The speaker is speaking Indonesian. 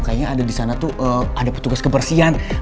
kayaknya ada disana tuh ada petugas kebersihan